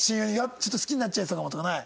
「ちょっと好きになっちゃいそう」とかもない？